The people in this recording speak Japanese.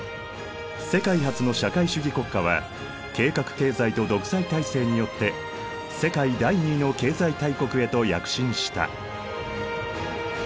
世界初の社会主義国家は計画経済と独裁体制によって世界第２の経済大国へと躍進した。